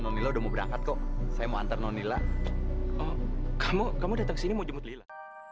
oh kamu datang ke sini mau jemput lila